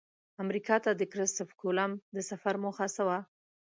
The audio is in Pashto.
امریکا ته د کرسف کولمب د سفر موخه څه وه؟